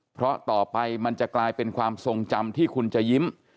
เพราะต่อไปมันจะกลายเป็นความทรงจำที่คุณจะยิ้ม